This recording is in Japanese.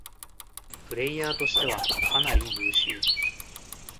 プレイヤーとしてはかなり優秀